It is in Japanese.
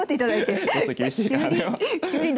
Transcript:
ちょっと厳しいかなでも。